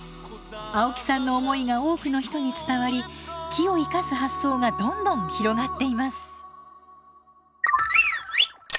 青木さんの思いが多くの人に伝わり木を生かす発想がどんどん広がっています。